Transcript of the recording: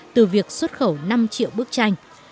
từ việc xuất khẩu năm triệu bức tranh